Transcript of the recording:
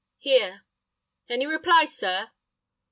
"Here." "Any reply, sir?"